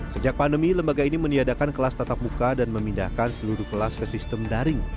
ketua bta delapan mengambil kelas tetap muka dan memindahkan seluruh kelas ke sistem daring